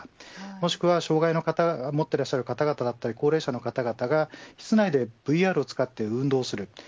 もしくは、障害を持っていらっしゃる方や高齢者の方が室内でＶＲを使って運動する。